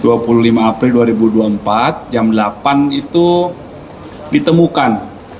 dua puluh lima april dua ribu dua puluh empat jam delapan itu ditemukan